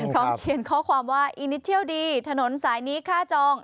พร้อมเขียนข้อความว่าอีนิเทียลดีถนนสายนี้ค่าจอง